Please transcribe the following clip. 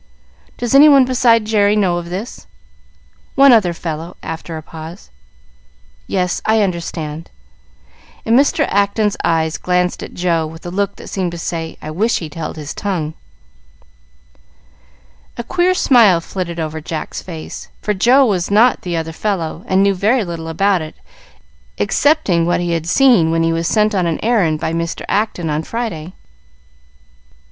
"Does any one beside Jerry know of this?" "One other fellow," after a pause. "Yes, I understand;" and Mr. Acton's eye glanced at Joe with a look that seemed to say, "I wish he'd held his tongue." A queer smile flitted over Jack's face, for Joe was not the "other fellow," and knew very little about it, excepting what he had seen when he was sent on an errand by Mr. Acton on Friday.